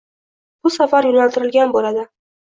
Bu safar yo‘naltirilgan bo‘ladi.